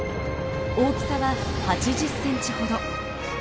大きさは８０センチほど。